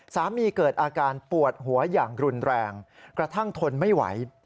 เกิดอาการปวดหัวอย่างรุนแรงกระทั่งทนไม่ไหว